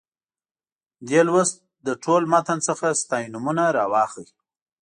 دې لوست له ټول متن څخه ستاینومونه راواخلئ.